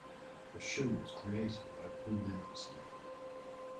The show was created by Paul Mendelson.